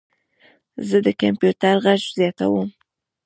زه د کمپیوټر غږ زیاتوم.